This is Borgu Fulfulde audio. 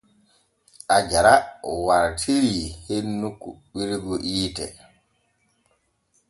Aajara wartirii hennu kuɓɓirgu hiite.